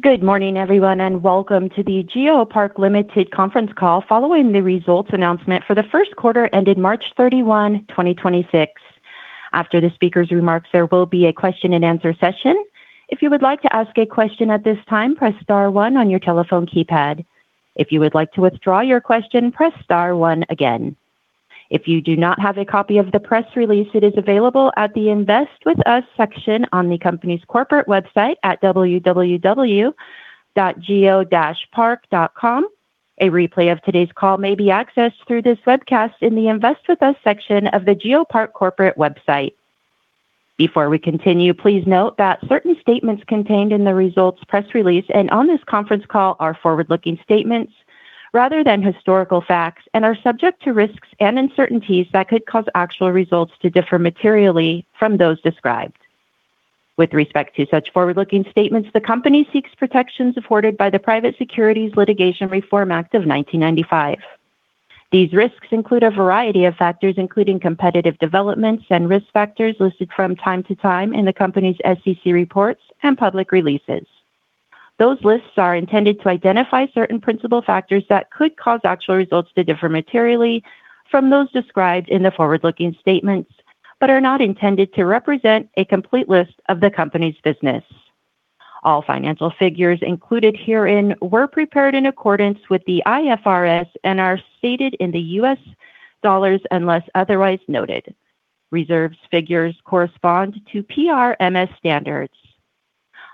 Good morning, everyone, and welcome to the GeoPark Limited conference call following the results announcement for the first quarter ended March 31, 2026. After the speaker's remarks, there will be a question and answer session. If you would like to ask a question at this time, press star one on your telephone keypad. If you would like to withdraw your question, press star one again. If you do not have a copy of the press release, it is available at the Invest With Us section on the company's corporate website at www.geo-park.com. A replay of today's call may be accessed through this webcast in the Invest With Us section of the GeoPark corporate website. Before we continue, please note that certain statements contained in the results press release and on this conference call are forward-looking statements rather than historical facts and are subject to risks and uncertainties that could cause actual results to differ materially from those described. With respect to such forward-looking statements, the company seeks protections afforded by the Private Securities Litigation Reform Act of 1995. These risks include a variety of factors, including competitive developments and risk factors listed from time to time in the company's SEC reports and public releases. Those lists are intended to identify certain principal factors that could cause actual results to differ materially from those described in the forward-looking statements but are not intended to represent a complete list of the company's business. All financial figures included herein were prepared in accordance with the IFRS and are stated in the US dollars unless otherwise noted. Reserves figures correspond to PRMS standards.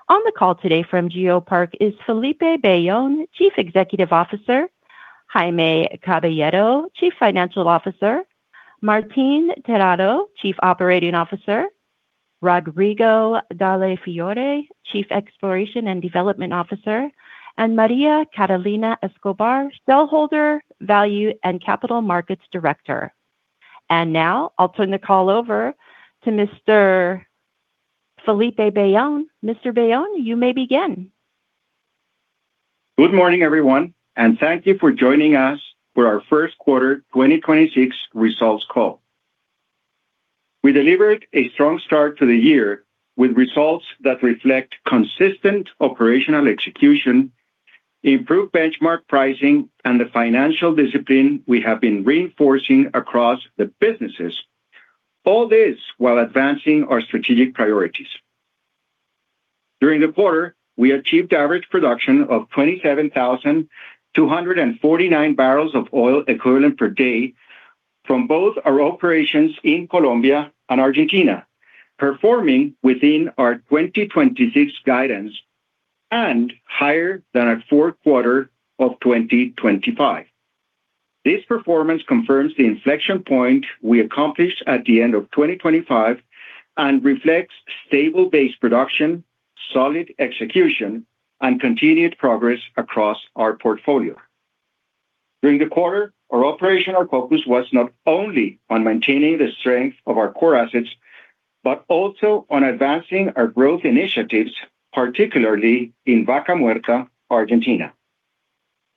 On the call today from GeoPark is Felipe Bayón, Chief Executive Officer, Jaime Caballero, Chief Financial Officer, Martín Terrado, Chief Operating Officer, Rodrigo Dalle Fiore, Chief Exploration and Development Officer, and María Catalina Escobar, Shareholder Value and Capital Markets Director. Now I'll turn the call over to Mr. Felipe Bayón. Mr. Bayón, you may begin. Good morning, everyone, and thank you for joining us for our first quarter 2026 results call. We delivered a strong start to the year with results that reflect consistent operational execution, improved benchmark pricing, and the financial discipline we have been reinforcing across the businesses, all this while advancing our strategic priorities. During the quarter, we achieved average production of 27,249 barrels of oil equivalent per day from both our operations in Colombia and Argentina, performing within our 2026 guidance and higher than our fourth quarter of 2025. This performance confirms the inflection point we accomplished at the end of 2025 and reflects stable base production, solid execution, and continued progress across our portfolio. During the quarter, our operational focus was not only on maintaining the strength of our core assets, but also on advancing our growth initiatives, particularly in Vaca Muerta, Argentina.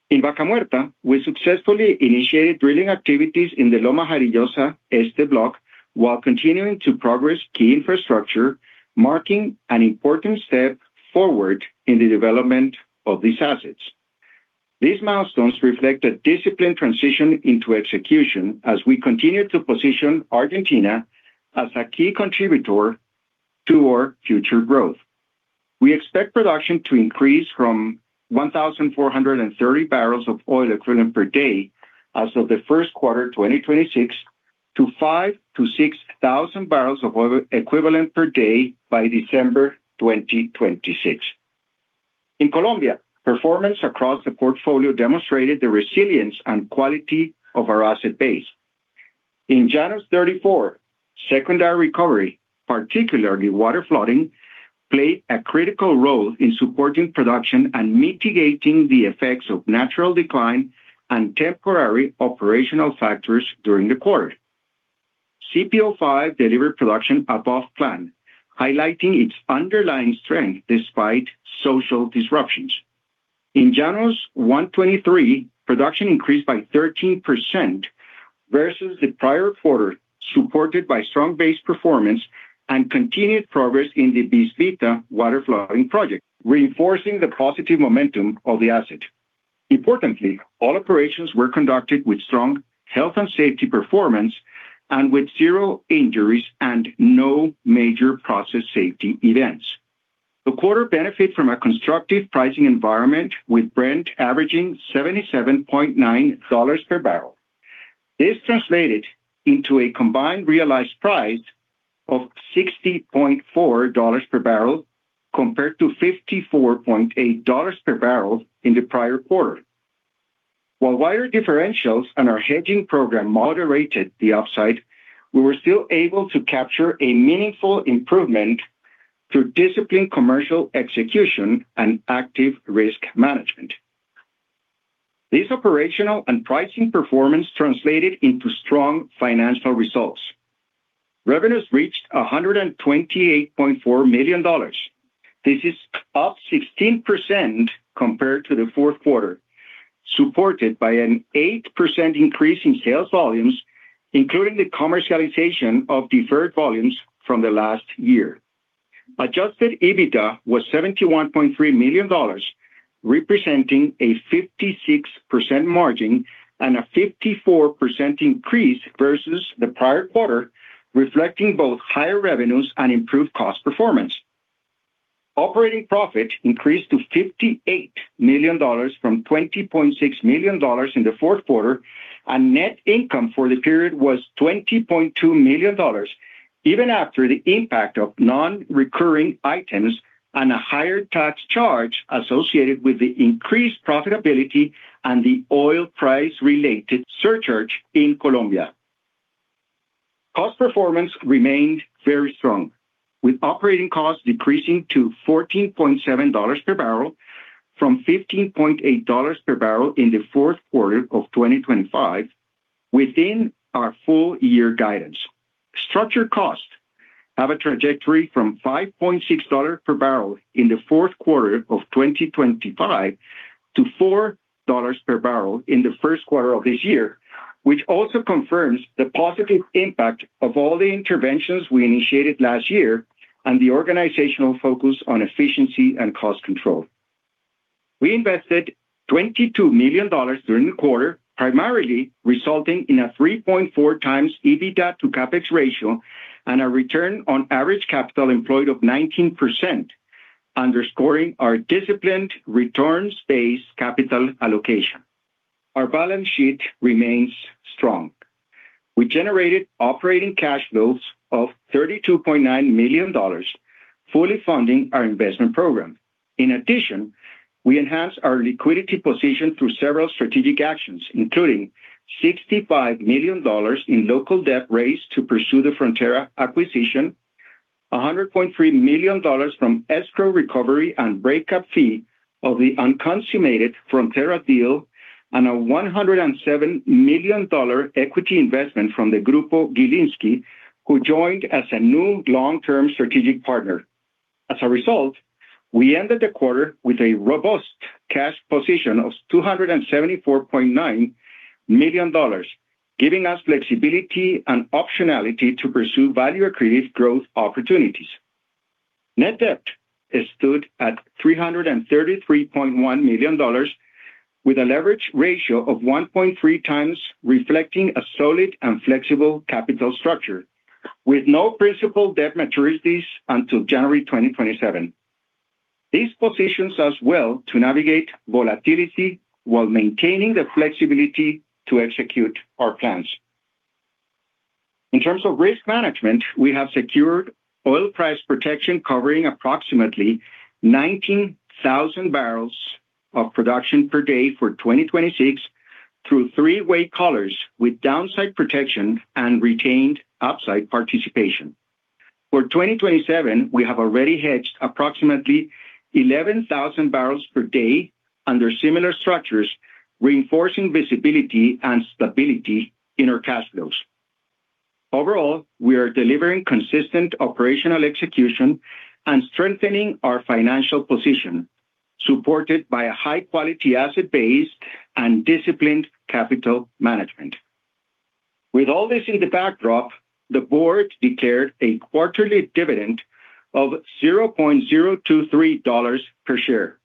In Vaca Muerta, we successfully initiated drilling activities in the Loma Jarillosa Este block while continuing to progress key infrastructure, marking an important step forward in the development of these assets. These milestones reflect a disciplined transition into execution as we continue to position Argentina as a key contributor to our future growth. We expect production to increase from 1,430 barrels of oil equivalent per day as of the first quarter 2026 to 5,000 barrels of oil equivalent per day-6,000 barrels of oil equivalent per day by December 2026. In Colombia, performance across the portfolio demonstrated the resilience and quality of our asset base. In Llanos 34, secondary recovery, particularly water flooding, played a critical role in supporting production and mitigating the effects of natural decline and temporary operational factors during the quarter. CPO-5 delivered production above plan, highlighting its underlying strength despite social disruptions. In Llanos 123, production increased by 13% versus the prior quarter, supported by strong base performance and continued progress in the Bisvita water flooding project, reinforcing the positive momentum of the asset. Importantly, all operations were conducted with strong health and safety performance and with zero injuries and no major process safety events. The quarter benefit from a constructive pricing environment with Brent averaging $77.9 per barrel. This translated into a combined realized price of $60.4 per barrel compared to $54.8 per barrel in the prior quarter. While wider differentials on our hedging program moderated the upside, we were still able to capture a meaningful improvement through disciplined commercial execution and active risk management. This operational and pricing performance translated into strong financial results. Revenues reached $128.4 million. This is up 16% compared to the fourth quarter. Supported by an 8% increase in sales volumes, including the commercialization of deferred volumes from the last year. Adjusted EBITDA was $71.3 million, representing a 56% margin and a 54% increase versus the prior quarter, reflecting both higher revenues and improved cost performance. Operating profit increased to $58 million from $20.6 million in the fourth quarter, and net income for the period was $20.2 million, even after the impact of non-recurring items and a higher tax charge associated with the increased profitability and the oil price related surcharge in Colombia. Cost performance remained very strong, with operating costs decreasing to $14.7 per barrel from $15.8 per barrel in the fourth quarter of 2025, within our full year guidance. Structured costs have a trajectory from $5.6 per barrel in the fourth quarter of 2025 to $4 per barrel in the first quarter of this year, which also confirms the positive impact of all the interventions we initiated last year and the organizational focus on efficiency and cost control. We invested $22 million during the quarter, primarily resulting in a 3.4 times EBITDA to CapEx ratio and a return on average capital employed of 19%, underscoring our disciplined returns-based capital allocation. Our balance sheet remains strong. We generated operating cash flows of $32.9 million, fully funding our investment program. In addition, we enhanced our liquidity position through several strategic actions, including $65 million in local debt raised to pursue the Frontera acquisition, $100.3 million from escrow recovery and breakup fee of the unconsummated Frontera deal, and a $107 million equity investment from the Grupo Gilinski, who joined as a new long-term strategic partner. As a result, we ended the quarter with a robust cash position of $274.9 million, giving us flexibility and optionality to pursue value-accretive growth opportunities. Net debt stood at $333.1 million, with a leverage ratio of 1.3 times, reflecting a solid and flexible capital structure, with no principal debt maturities until January 2027. This positions us well to navigate volatility while maintaining the flexibility to execute our plans. In terms of risk management, we have secured oil price protection covering approximately 19,000 barrels of production per day for 2026 through three-way collars with downside protection and retained upside participation. For 2027, we have already hedged approximately 11,000 barrels per day under similar structures, reinforcing visibility and stability in our cash flows. Overall, we are delivering consistent operational execution and strengthening our financial position, supported by a high-quality asset base and disciplined capital management. With all this in the backdrop, the board declared a quarterly dividend of $0.023 per share.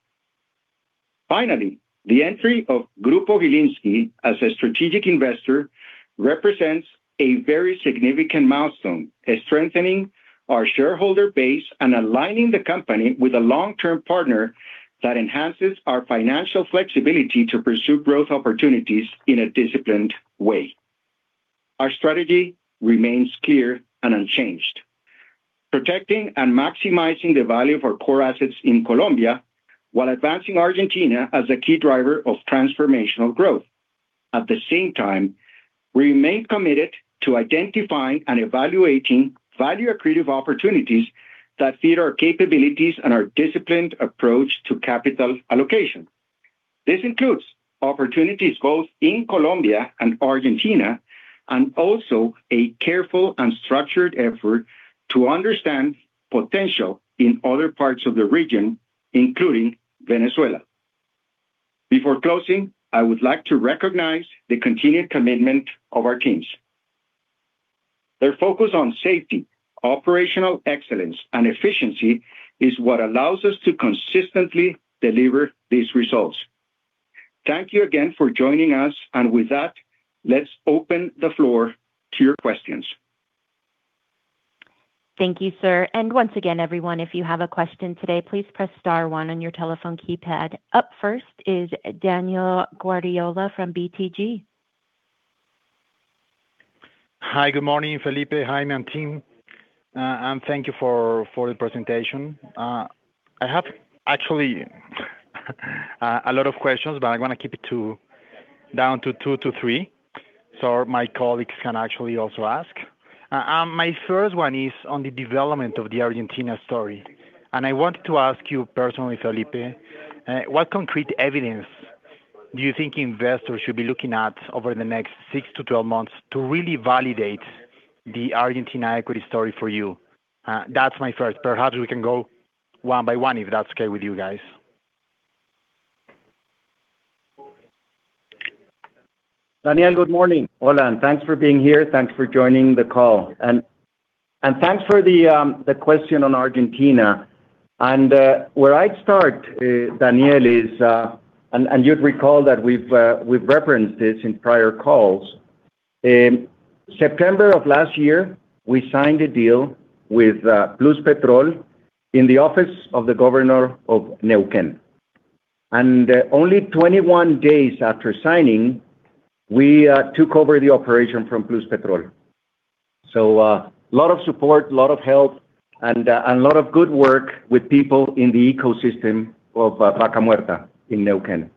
Finally, the entry of Grupo Gilinski as a strategic investor represents a very significant milestone, strengthening our shareholder base and aligning the company with a long-term partner that enhances our financial flexibility to pursue growth opportunities in a disciplined way. Our strategy remains clear and unchanged. Protecting and maximizing the value of our core assets in Colombia while advancing Argentina as a key driver of transformational growth. At the same time, we remain committed to identifying and evaluating value-accretive opportunities that fit our capabilities and our disciplined approach to capital allocation. This includes opportunities both in Colombia and Argentina, and also a careful and structured effort to understand potential in other parts of the region, including Venezuela. Before closing, I would like to recognize the continued commitment of our teams. Their focus on safety, operational excellence, and efficiency is what allows us to consistently deliver these results. Thank you again for joining us. With that, let's open the floor to your questions. Thank you, sir. Once again, everyone, if you have a question today, please press star one on your telephone keypad. Up first is Daniel Guardiola from BTG. Hi, good morning, Felipe. Hi, management. Thank you for the presentation. I have actually a lot of questions, but I wanna keep it down to two to three so my colleagues can actually also ask. My first one is on the development of the Argentina story. I want to ask you personally, Felipe, what concrete evidence do you think investors should be looking at over the next 6 to 12 months to really validate the Argentina equity story for you? That's my first. Perhaps we can go one by one, if that's okay with you guys. Daniel, good morning. Hola, thanks for being here. Thanks for joining the call. Thanks for the question on Argentina. Where I'd start, Daniel, you'd recall that we've referenced this in prior calls. In September of last year, we signed a deal with Pluspetrol in the office of the governor of Neuquén. Only 21 days after signing, we took over the operation from Pluspetrol. Lot of support, lot of help, and lot of good work with people in the ecosystem of Vaca Muerta in Neuquén.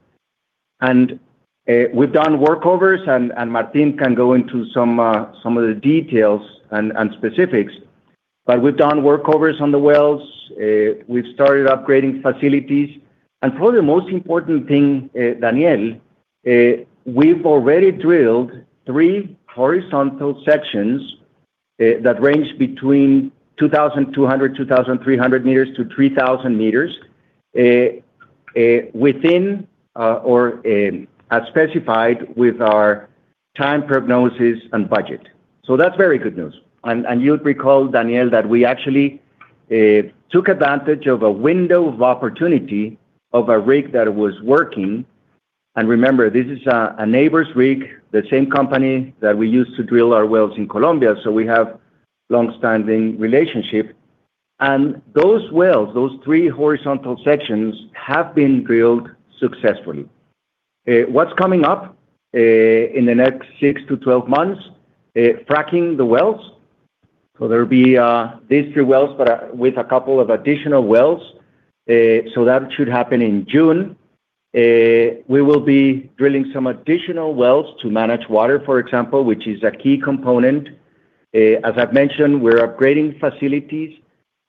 We've done workovers, Martín can go into some of the details and specifics, but we've done workovers on the wells. We've started upgrading facilities. Probably the most important thing, Daniel, we've already drilled three horizontal sections that range between 2,200, 2,300 meters to 3,000 meters, within, or, as specified with our time prognosis and budget. That's very good news. You'd recall, Daniel, that we actually took advantage of a window of opportunity of a rig that was working. Remember, this is a Nabors rig, the same company that we use to drill our wells in Colombia, so we have longstanding relationship. Those wells, those three horizontal sections, have been drilled successfully. What's coming up in the next 6-12 months, fracking the wells. There'll be these three wells, but with a couple of additional wells. That should happen in June. We will be drilling some additional wells to manage water, for example, which is a key component. As I've mentioned, we're upgrading facilities.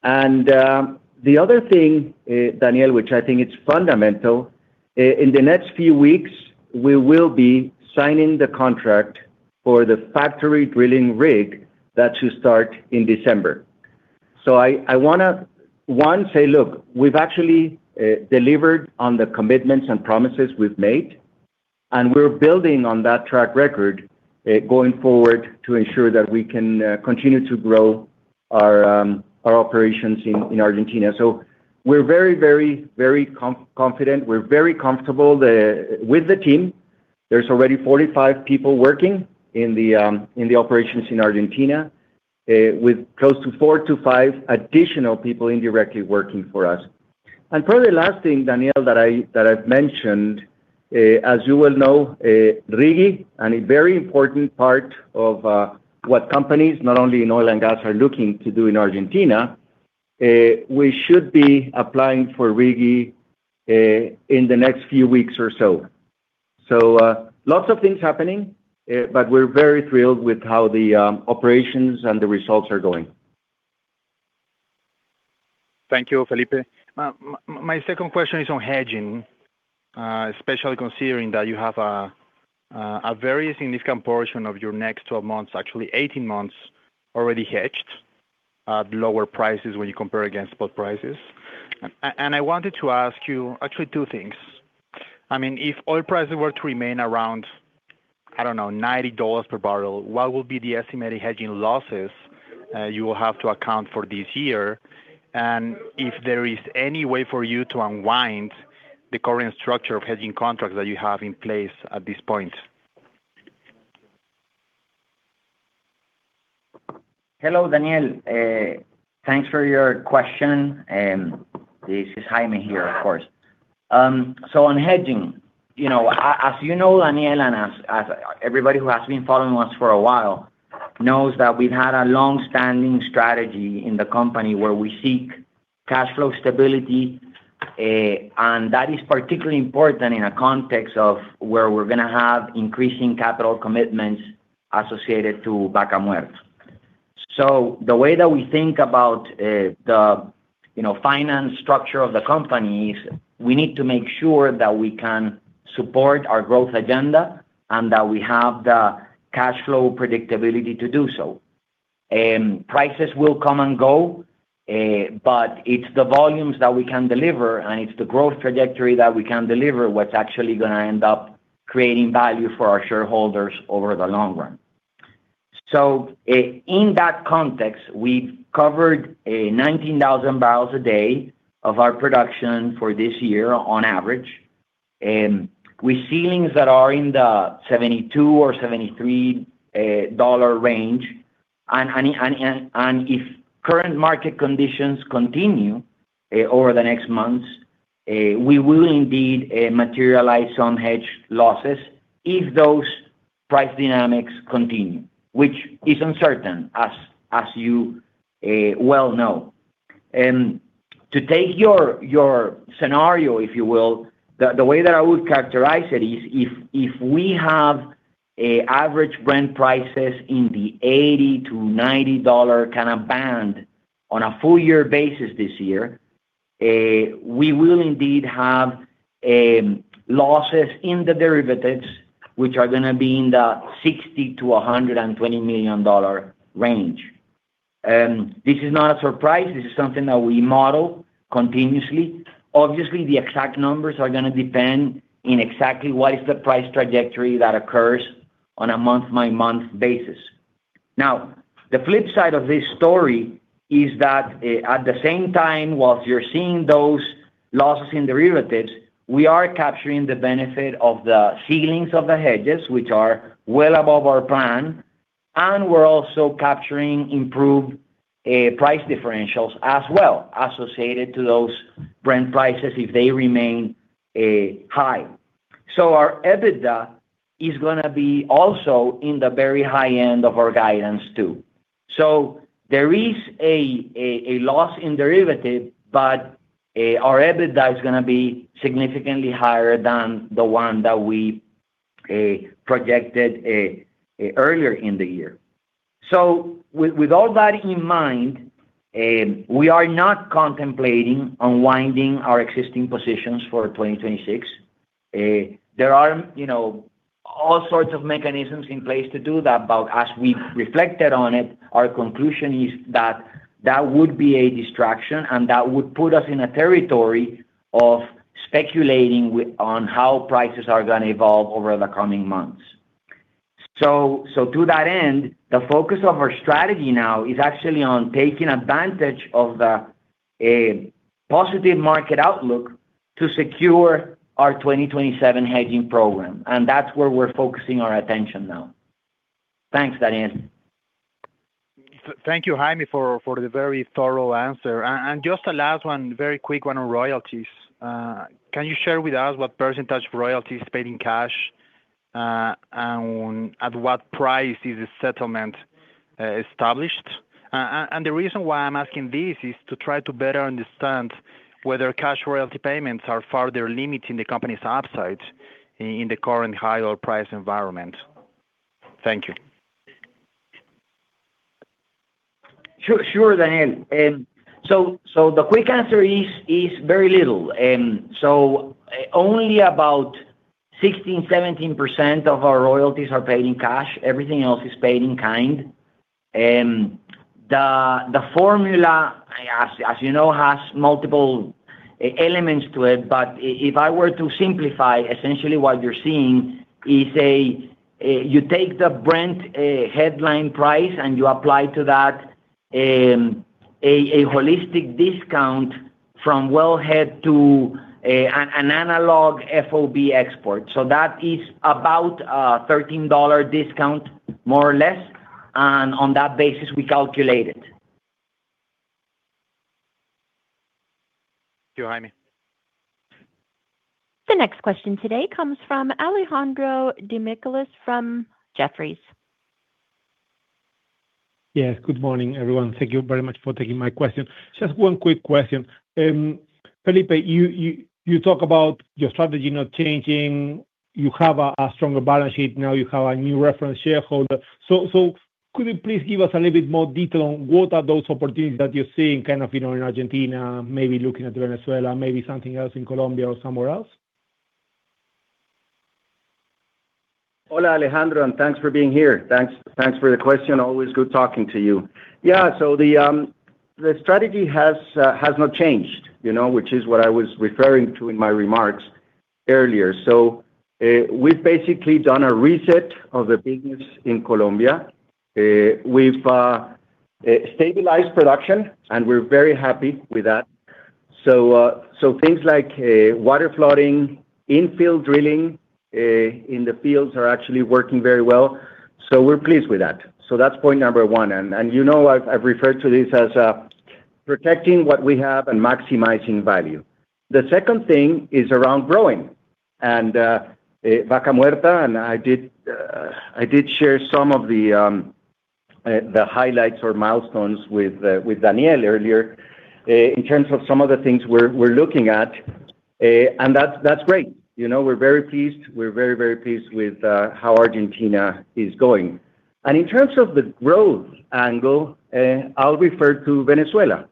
The other thing, Daniel, which I think it's fundamental, in the next few weeks, we will be signing the contract for the factory drilling rig that should start in December. I want to say, look, we've actually delivered on the commitments and promises we've made, and we're building on that track record going forward to ensure that we can continue to grow our operations in Argentina. We're very, very confident. We're very comfortable with the team. There's already 45 people working in the operations in Argentina, with close to four to five additional people indirectly working for us. Probably the last thing, Daniel, that I've mentioned, as you well know, RIGI, and a very important part of what companies, not only in oil and gas, are looking to do in Argentina, we should be applying for RIGI in the next few weeks or so. Lots of things happening, but we're very thrilled with how the operations and the results are going. Thank you, Felipe. My second question is on hedging, especially considering that you have a very significant portion of your next 12 months, actually 18 months, already hedged at lower prices when you compare against spot prices. I wanted to ask you actually two things. I mean, if oil prices were to remain around $90 per barrel, what will be the estimated hedging losses you will have to account for this year? If there is any way for you to unwind the current structure of hedging contracts that you have in place at this point? Hello, Daniel. Thanks for your question. This is Jaime here, of course. On hedging, you know, as you know, Daniel, and as everybody who has been following us for a while knows that we've had a long-standing strategy in the company where we seek cashflow stability. That is particularly important in a context of where we're going to have increasing capital commitments associated to Vaca Muerta. The way that we think about the, you know, finance structure of the company is we need to make sure that we can support our growth agenda and that we have the cashflow predictability to do so. Prices will come and go, but it's the volumes that we can deliver, and it's the growth trajectory that we can deliver what's actually going to end up creating value for our shareholders over the long run. In that context, we've covered 19,000 barrels a day of our production for this year on average, with ceilings that are in the $72 or $73 range. If current market conditions continue over the next months, we will indeed materialize some hedge losses if those price dynamics continue, which is uncertain, as you well know. To take your scenario, if you will, the way that I would characterize it is if we have a average Brent prices in the $80-$90 kind of band on a full year basis this year, we will indeed have losses in the derivatives, which are gonna be in the $60 million-$120 million range. This is not a surprise, this is something that we model continuously. Obviously, the exact numbers are gonna depend in exactly what is the price trajectory that occurs on a month by month basis. The flip side of this story is that, at the same time, whilst you're seeing those losses in derivatives, we are capturing the benefit of the ceilings of the hedges, which are well above our plan, and we're also capturing improved price differentials as well associated to those Brent prices if they remain high. Our EBITDA is gonna be also in the very high end of our guidance too. There is a loss in derivative, but our EBITDA is gonna be significantly higher than the one that we projected earlier in the year. With all that in mind, we are not contemplating unwinding our existing positions for 2026. There are, you know, all sorts of mechanisms in place to do that. As we reflected on it, our conclusion is that that would be a distraction, and that would put us in a territory of speculating on how prices are gonna evolve over the coming months. To that end, the focus of our strategy now is actually on taking advantage of the positive market outlook to secure our 2027 hedging program, and that's where we're focusing our attention now. Thanks, Daniel. Thank you, Jaime, for the very thorough answer. Just a last one, very quick one on royalties. Can you share with us what % of royalties paid in cash, and at what price is the settlement established? The reason why I'm asking this is to try to better understand whether cash royalty payments are further limiting the company's upside in the current higher price environment. Thank you. Sure, Daniel. The quick answer is very little. Only about 16%, 17% of our royalties are paid in cash. Everything else is paid in kind. The formula, as you know, has multiple elements to it. But if I were to simplify, essentially what you're seeing is you take the Brent headline price, and you apply to that a holistic discount from wellhead to an analog FOB export. That is about a $13 discount more or less, and on that basis, we calculate it. Thank you, Jaime. The next question today comes from Alejandro Demichelis from Jefferies. Yes. Good morning, everyone. Thank you very much for taking my question. Just one quick question. Felipe, you talk about your strategy not changing. You have a stronger balance sheet. Now you have a new reference shareholder. Could you please give us a little bit more detail on what are those opportunities that you're seeing kind of, you know, in Argentina, maybe looking at Venezuela, maybe something else in Colombia or somewhere else? Hola, Alejandro, thanks for being here. Thanks for the question. Always good talking to you. Yeah. The strategy has not changed, you know, which is what I was referring to in my remarks earlier. We've basically done a reset of the business in Colombia. We've stabilized production, and we're very happy with that. Things like water flooding, infill drilling in the fields are actually working very well, so we're pleased with that. That's point number one. You know, I've referred to this as protecting what we have and maximizing value. The second thing is around growing. Vaca Muerta, I did share some of the highlights or milestones with Daniel earlier, in terms of some of the things we're looking at. That's great. You know, we're very pleased. We're very pleased with how Argentina is going. In terms of the growth angle, I'll refer to Venezuela,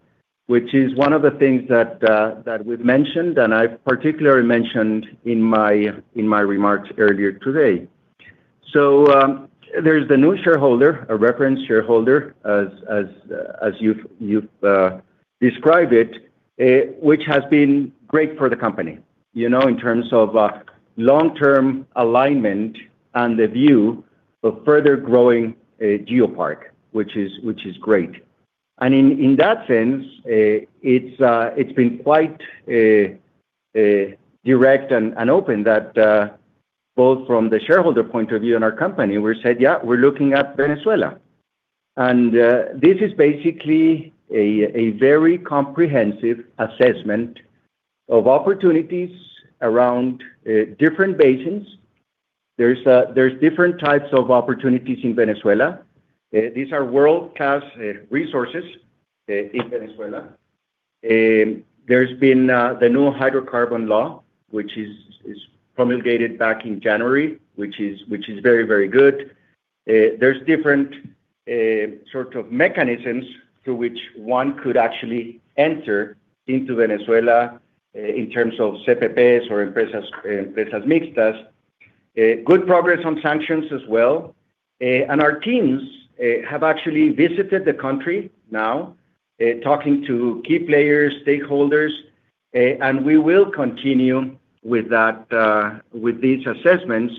which is one of the things that we've mentioned, and I particularly mentioned in my remarks earlier today. There's the new shareholder, a reference shareholder as you've described it, which has been great for the company, you know, in terms of long-term alignment and the view of further growing GeoPark, which is great. In that sense, it's been quite direct and open that both from the shareholder point of view and our company, we said, "Yeah, we're looking at Venezuela." This is basically a very comprehensive assessment of opportunities around different basins. There's different types of opportunities in Venezuela. These are world-class resources in Venezuela. There's been the new hydrocarbon law, which is promulgated back in January, which is very good. There's different sort of mechanisms through which one could actually enter into Venezuela in terms of CPPs or empresas mixtas. Good progress on sanctions as well. Our teams have actually visited the country now, talking to key players, stakeholders. We will continue with that with these assessments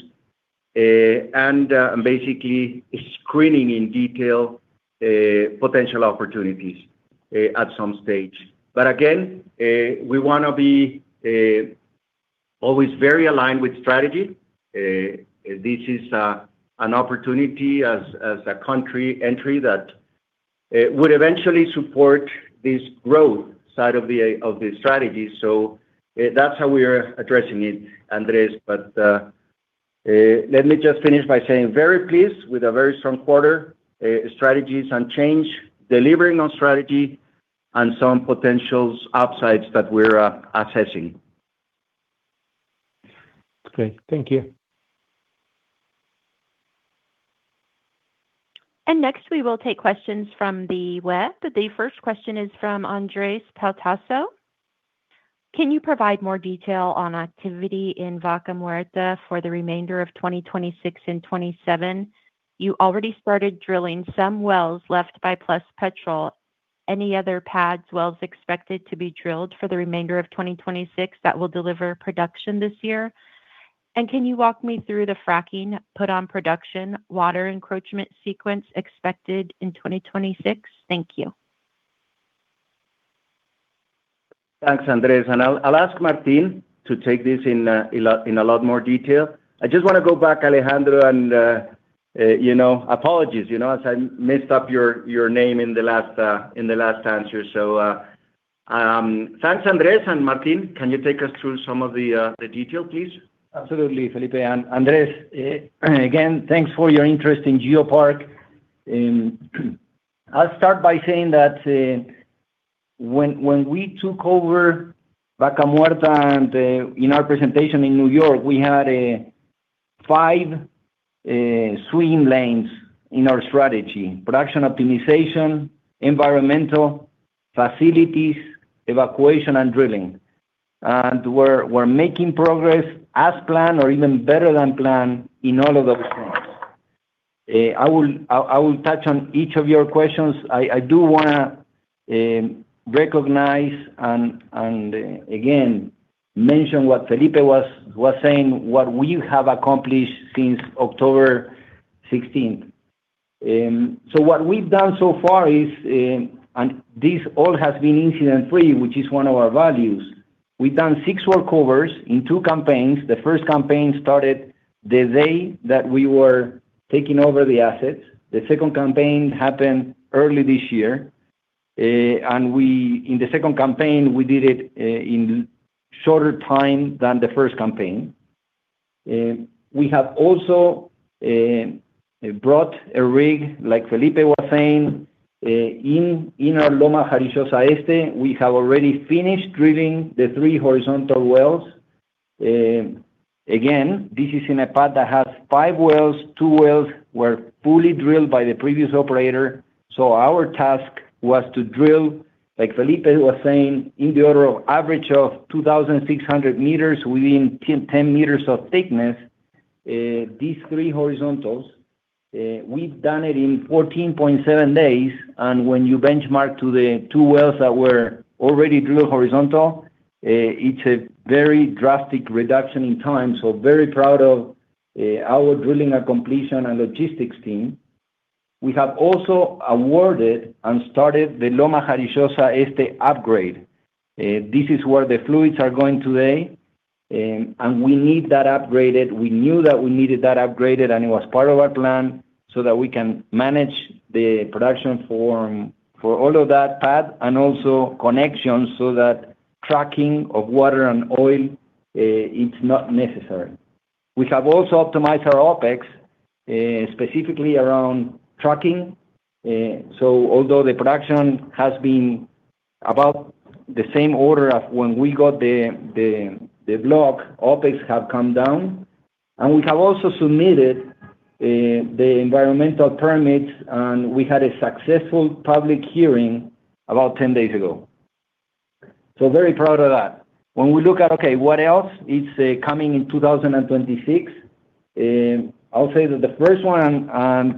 and basically screening in detail potential opportunities at some stage. Again we wanna be always very aligned with strategy. This is an opportunity as a country entry that would eventually support this growth side of the strategy. That's how we are addressing it, Andres. Let me just finish by saying very pleased with a very strong quarter strategies and change delivering on strategy and some potential upsides that we're assessing. Okay. Thank you. Next, we will take questions from the web. The first question is from Andres Peltaso. Can you provide more detail on activity in Vaca Muerta for the remainder of 2026 and 2027? You already started drilling some wells left by Pluspetrol. Any other pad wells expected to be drilled for the remainder of 2026 that will deliver production this year? Can you walk me through the fracking put on production water encroachment sequence expected in 2026? Thank you. Thanks, Andres. I'll ask Martín to take this in a lot more detail. I just wanna go back, Alejandro, and, you know, apologies, you know, as I messed up your name in the last answer. Thanks, Andres. Martín, can you take us through some of the detail, please? Absolutely, Felipe. Andres, again, thanks for your interest in GeoPark. I'll start by saying that when we took over Vaca Muerta and in our presentation in New York, we had five swim lanes in our strategy: production optimization, environmental, facilities, evacuation, and drilling. We're making progress as planned or even better than planned in all of those fronts. I will touch on each of your questions. I do wanna recognize and again mention what Felipe was saying, what we have accomplished since October 16th. What we've done so far is, and this all has been incident-free, which is one of our values. We've done six workovers in two campaigns. The 1st campaign started the day that we were taking over the assets. The 2nd campaign happened early this year. In the second campaign, we did it in shorter time than the first campaign. We have also brought a rig, like Felipe was saying, in our Loma Jarillosa Este. We have already finished drilling the three horizontal wells. Again, this is in a pad that has five wells two wells were fully drilled by the previous operator. Our task was to drill, like Felipe was saying, in the order of average of 2,600 meters within 10 meters of thickness, these three horizontals. We've done it in 14.7 days. When you benchmark to the two wells that were already drilled horizontal, it's a very drastic reduction in time. Very proud of our drilling and completion and logistics team. We have also awarded and started the Loma Jarillosa Este upgrade. This is where the fluids are going today. We need that upgraded. We knew that we needed that upgraded, and it was part of our plan, so that we can manage the production for all of that pad, and also connections so that tracking of water and oil, it's not necessary. We have also optimized our OpEx, specifically around trucking. Although the production has been about the same order of when we got the block, OpEx have come down. We have also submitted the environmental permits, and we had a successful public hearing about 10 days ago. Very proud of that. When we look at, okay, what else is coming in 2026, I'll say that the first one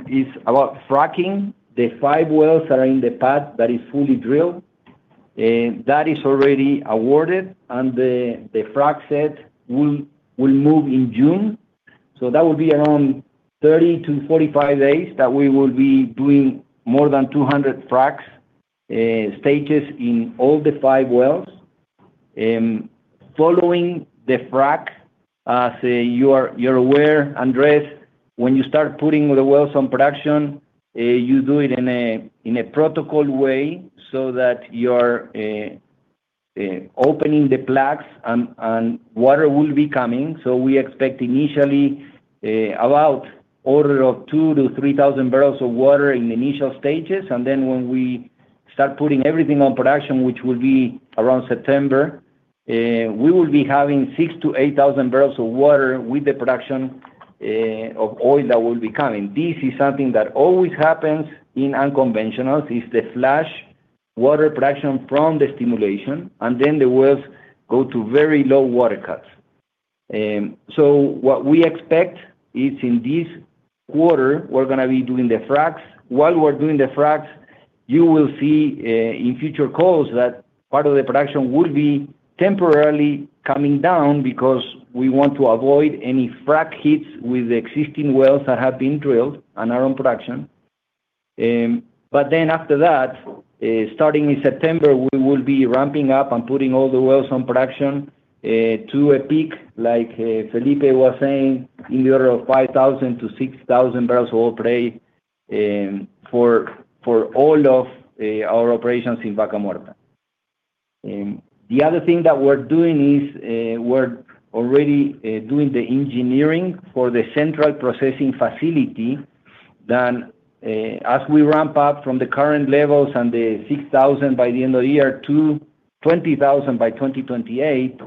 is about fracking. The 5 wells that are in the pad that is fully drilled, that is already awarded. The frac set will move in June. That would be around 30-45 days that we will be doing more than 200 fracs stages in all the five wells. Following the frac, as you're aware, Andres, when you start putting the wells on production, you do it in a protocol way so that you're opening the plugs and water will be coming. We expect initially about order of 2,000-3,000 barrels of water in the initial stages. When we start putting everything on production, which will be around September, we will be having 6,000-8,000 barrels of water with the production of oil that will be coming. This is something that always happens in unconventionals, is the flash water production from the stimulation, and then the wells go to very low water cuts. What we expect is in this quarter, we're gonna be doing the fracs. While we're doing the fracs, you will see in future calls that part of the production will be temporarily coming down because we want to avoid any frac hits with existing wells that have been drilled on our own production. After that, starting in September, we will be ramping up and putting all the wells on production, to a peak, like Felipe was saying, in the order of 5,000 to 6,000 barrels of oil per day, for all of our operations in Vaca Muerta. The other thing that we're doing is we're already doing the engineering for the central processing facility. As we ramp up from the current levels and the 6,000 by the end of the year to 20,000 by 2028,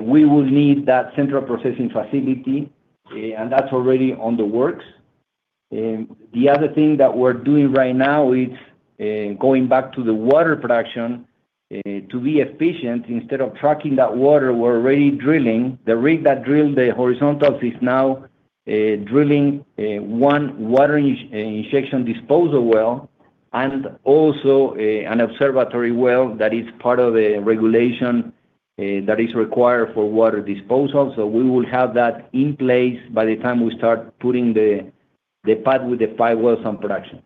we will need that central processing facility, and that's already on the works. The other thing that we're doing right now is going back to the water production. To be efficient, instead of trucking that water, we're already drilling. The rig that drilled the horizontals is now drilling one water injection disposal well, and also an observatory well that is part of a regulation that is required for water disposal. We will have that in place by the time we start putting the pad with the five wells on production.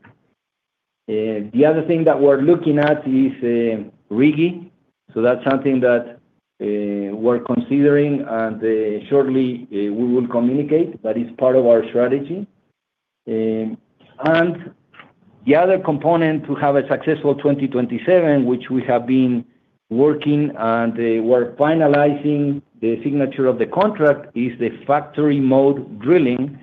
The other thing that we're looking at is RIGI. That's something that we're considering, and shortly, we will communicate, but it's part of our strategy. The other component to have a successful 2027, which we have been working, and we're finalizing the signature of the contract, is the factory mode drilling,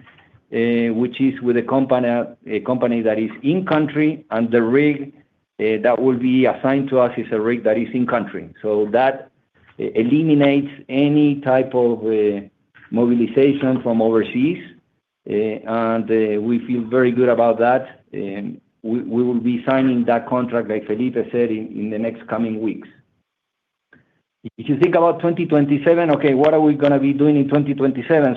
which is with a company that is in country, and the rig that will be assigned to us is a rig that is in country. That eliminates any type of mobilization from overseas, and we feel very good about that. We will be signing that contract, like Felipe said, in the next coming weeks. If you think about 2027, okay, what are we gonna be doing in 2027?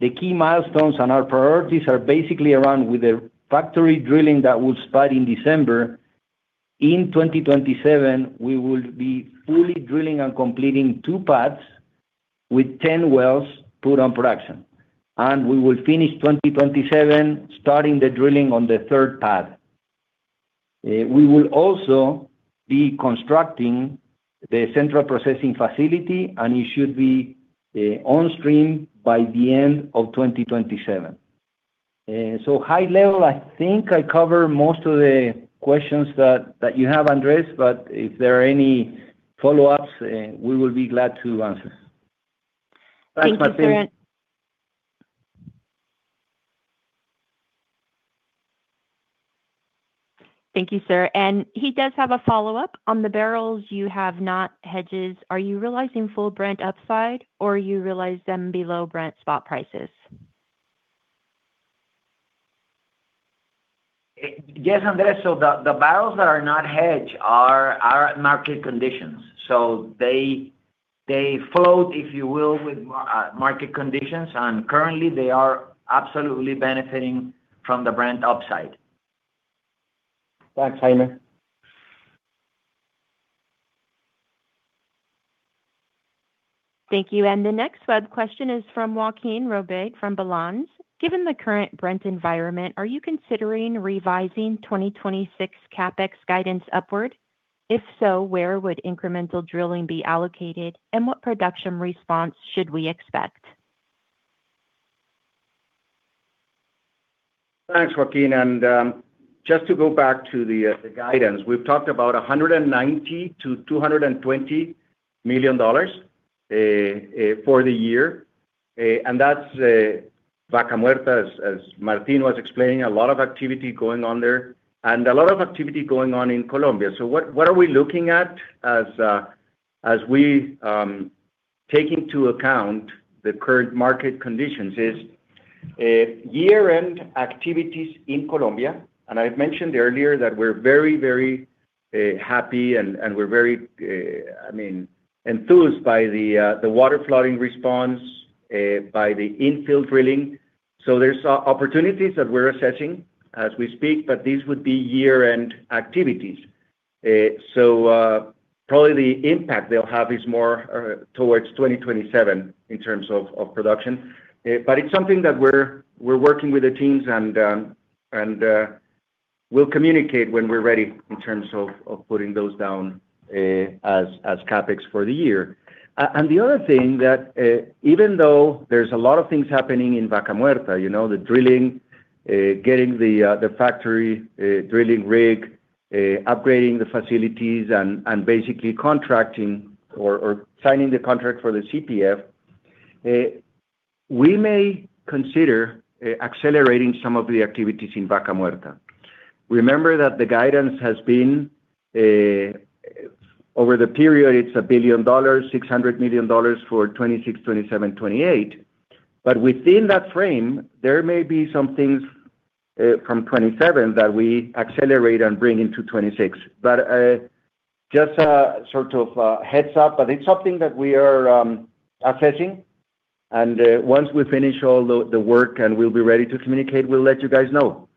The key milestones and our priorities are basically around with the factory drilling that will start in December 2027. In 2027, we will be fully drilling and completing two pads with 10 wells put on production, and we will finish 2027 starting the drilling on the 3rd pad. We will also be constructing the central processing facility, and it should be on stream by the end of 2027. High level, I think I covered most of the questions that you have, Andrés, but if there are any follow-ups, we will be glad to answer. Thank you, Martín. That's Martín. Thank you, sir. He does have a follow-up. On the barrels you have not hedged, are you realizing full Brent upside or you realize them below Brent spot prices? Yes, Andres. The barrels that are not hedged are at market conditions. They float, if you will, with market conditions, and currently they are absolutely benefiting from the Brent upside. Thanks, Jaime. Thank you. The next web question is from Joaquin Robinet from Balanz. Given the current Brent environment, are you considering revising 2026 CapEx guidance upward? If so, where would incremental drilling be allocated, and what production response should we expect? Thanks, Joaquin, just to go back to the guidance, we've talked about $190 million-$220 million for the year. That's Vaca Muerta, as Martin was explaining, a lot of activity going on there and a lot of activity going on in Colombia. What are we looking at as we take into account the current market conditions is year-end activities in Colombia. I've mentioned earlier that we're very happy and we're very, I mean, enthused by the water flooding response by the infill drilling. There's opportunities that we're assessing as we speak, but these would be year-end activities. Probably the impact they'll have is more towards 2027 in terms of production. It's something that we're working with the teams and we'll communicate when we're ready in terms of putting those down as CapEx for the year. The other thing that, even though there's a lot of things happening in Vaca Muerta, you know, the drilling, getting the factory drilling rig, upgrading the facilities and basically contracting or signing the contract for the CPF, we may consider accelerating some of the activities in Vaca Muerta. Remember that the guidance has been over the period, it's $1 billion, $600 million for 2026, 2027, 2028. Within that frame, there may be some things from 2027 that we accelerate and bring into 2026. Just a sort of a heads-up, but it's something that we are assessing. Once we finish all the work, and we'll be ready to communicate, we'll let you guys know.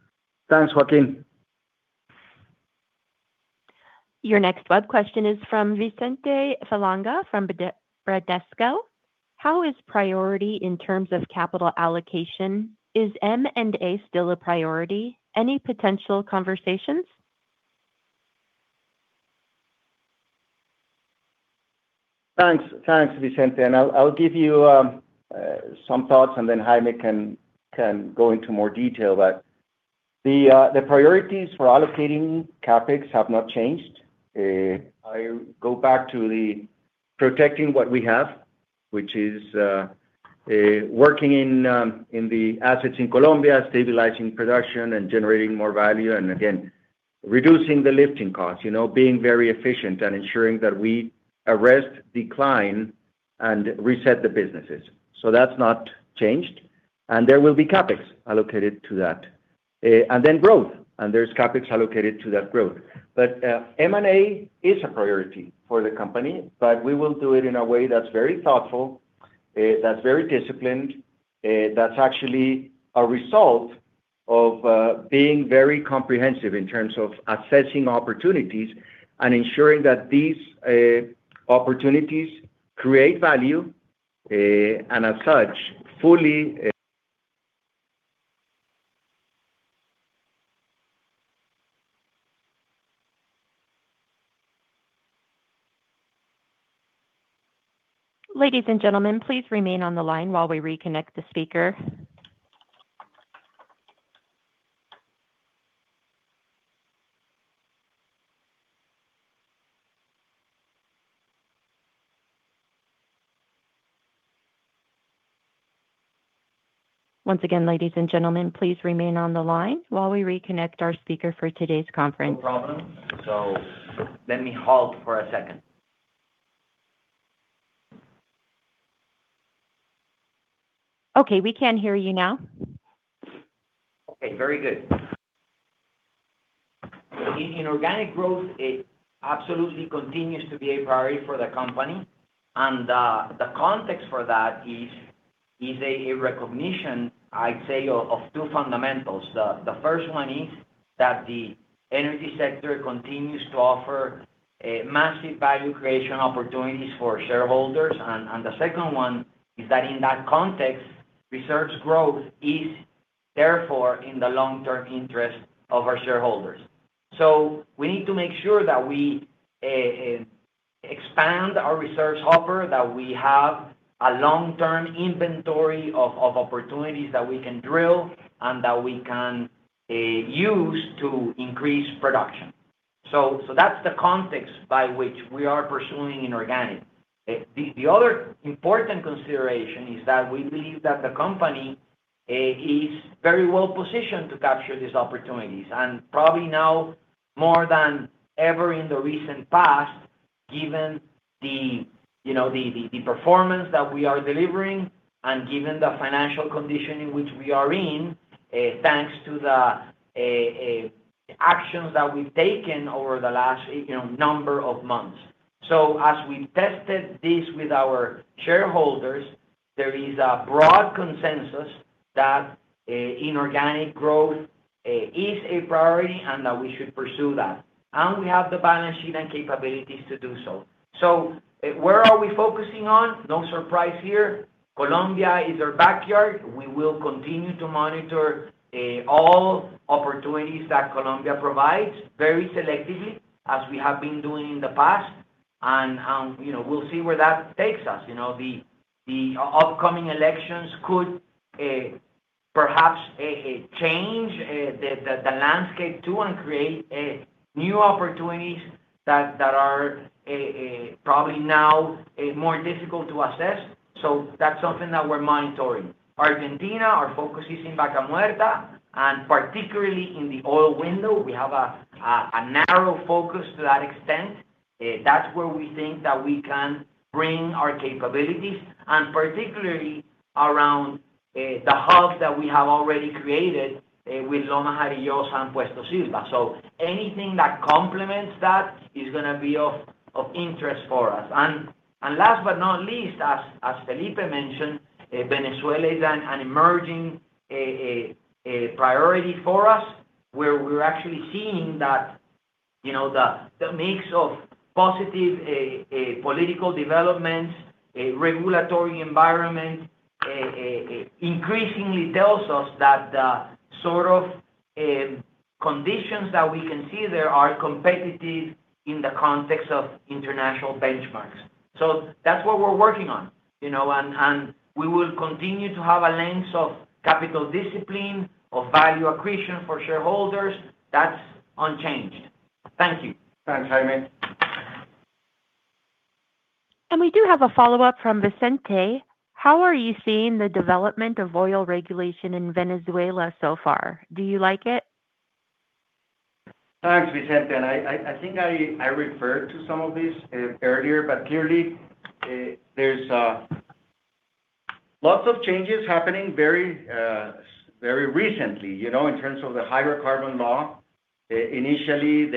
Thanks, Joaquin. Your next web question is from Vicente Falanga from Bradesco BBI. How is priority in terms of capital allocation? Is M&A still a priority? Any potential conversations? Thanks. Thanks, Vicente. I'll give you some thoughts, then Jaime can go into more detail. The priorities for allocating CapEx have not changed. I go back to the protecting what we have, which is working in the assets in Colombia, stabilizing production, and generating more value, and again, reducing the lifting costs. You know, being very efficient and ensuring that we arrest decline and reset the businesses. That's not changed, and there will be CapEx allocated to that. Then growth, and there's CapEx allocated to that growth. M&A is a priority for the company, but we will do it in a way that's very thoughtful, that's very disciplined, that's actually a result of being very comprehensive in terms of assessing opportunities and ensuring that these opportunities create value, and as such, fully, Ladies and gentlemen, please remain on the line while we reconnect the speaker. Once again, ladies and gentlemen, please remain on the line while we reconnect our speaker for today's conference. No problem. Let me halt for a second. Okay, we can hear you now. Okay, very good. In inorganic growth, it absolutely continues to be a priority for the company, and the context for that is a recognition, I'd say, of two fundamentals. The first one is that the energy sector continues to offer massive value creation opportunities for shareholders. The second one is that in that context, reserves growth is therefore in the long-term interest of our shareholders. We need to make sure that we expand our reserves offer, that we have a long-term inventory of opportunities that we can drill and that we can use to increase production. That's the context by which we are pursuing inorganic. The other important consideration is that we believe that the company is very well positioned to capture these opportunities. Probably now more than ever in the recent past, given the, you know, the, the performance that we are delivering and given the financial condition in which we are in, thanks to the actions that we've taken over the last, you know, number of months. As we tested this with our shareholders, there is a broad consensus that inorganic growth is a priority and that we should pursue that. We have the balance sheet and capabilities to do so. Where are we focusing on? No surprise here. Colombia is our backyard. We will continue to monitor all opportunities that Colombia provides very selectively as we have been doing in the past. You know, we'll see where that takes us. You know, the upcoming elections could perhaps change the landscape too and create new opportunities that are probably now more difficult to assess. That's something that we're monitoring. Argentina, our focus is in Vaca Muerta, and particularly in the oil window. We have a narrow focus to that extent. That's where we think that we can bring our capabilities, and particularly around the hub that we have already created with Loma Jarillosa Este and Puesto Silva Oeste. Anything that complements that is gonna be of interest for us. Last but not least, as Felipe mentioned, Venezuela is an emerging priority for us, where we're actually seeing that the mix of positive political developments, regulatory environment, increasingly tells us that the sort of conditions that we can see there are competitive in the context of international benchmarks. That's what we're working on. We will continue to have a lens of capital discipline, of value accretion for shareholders. That's unchanged. Thank you. Thanks, Jaime. We do have a follow-up from Vicente. How are you seeing the development of oil regulation in Venezuela so far? Do you like it? Thanks, Vicente. I think I referred to some of this earlier. Clearly, there's lots of changes happening very recently, you know, in terms of the hydrocarbon law initially,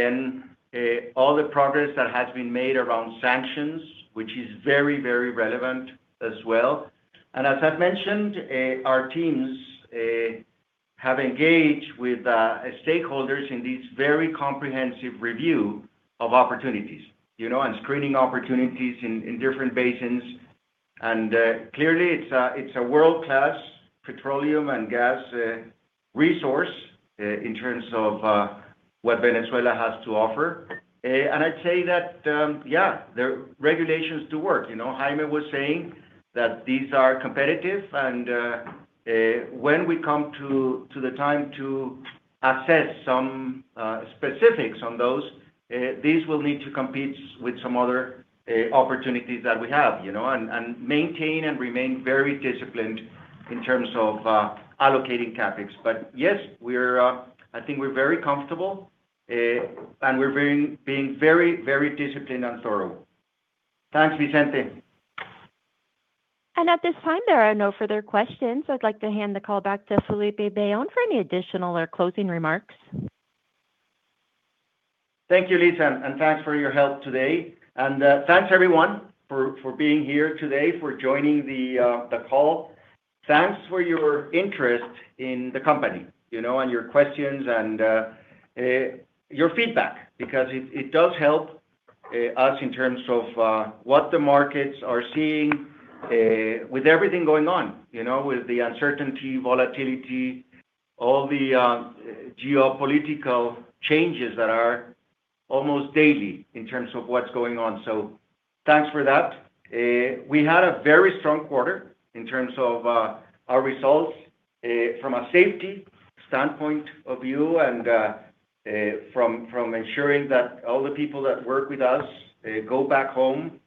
all the progress that has been made around sanctions, which is very, very relevant as well. As I've mentioned, our teams have engaged with stakeholders in these very comprehensive review of opportunities, you know, and screening opportunities in different basins. Clearly it's a world-class petroleum and gas resource in terms of what Venezuela has to offer. I'd say that, yeah, the regulations do work. You know, Jaime was saying that these are competitive and when we come to the time to assess some specifics on those, these will need to compete with some other opportunities that we have, you know, and maintain and remain very disciplined in terms of allocating CapEx. Yes, we're, I think we're very comfortable, and we're being very, very disciplined and thorough. Thanks, Vicente. At this time, there are no further questions. I'd like to hand the call back to Felipe Bayón for any additional or closing remarks. Thank you, Lisa, thanks for your help today. Thanks everyone for being here today, for joining the call. Thanks for your interest in the company, you know, and your questions and your feedback because it does help us in terms of what the markets are seeing with everything going on, you know, with the uncertainty, volatility, all the geopolitical changes that are almost daily in terms of what's going on. Thanks for that. We had a very strong quarter in terms of our results from a safety standpoint of view and from ensuring that all the people that work with us go back home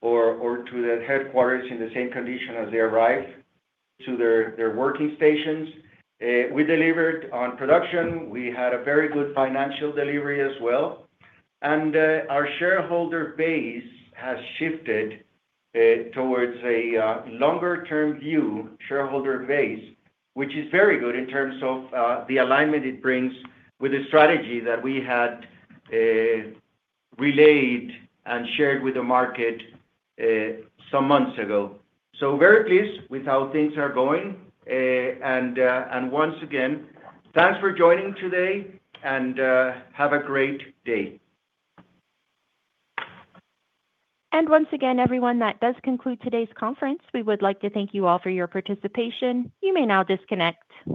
or to the headquarters in the same condition as they arrive to their working stations. We delivered on production. We had a very good financial delivery as well. Our shareholder base has shifted towards a longer term view shareholder base, which is very good in terms of the alignment it brings with the strategy that we had relayed and shared with the market some months ago. Very pleased with how things are going. Once again, thanks for joining today and have a great day. Once again, everyone, that does conclude today's conference. We would like to thank you all for your participation. You may now disconnect.